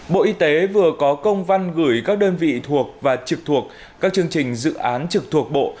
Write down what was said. bộ y tế vừa có công văn gửi các đơn vị thuộc và trực thuộc các chương trình dự án trực thuộc bộ